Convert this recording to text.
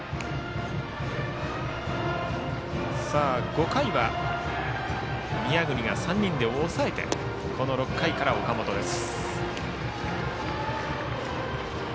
５回は宮國が３人で抑えてこの６回から岡本です。